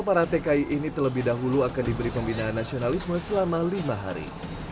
para tki ini terlebih dahulu akan diberi pembinaan nasionalisme selama lima hari